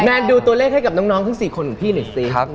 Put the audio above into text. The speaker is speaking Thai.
เดี๋ยวหนูดูตัวเลขให้น้องทั้ง๔คนของที่หน่อยสิ